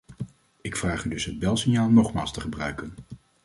Ik vraag u dus het belsignaal nogmaals te gebruiken.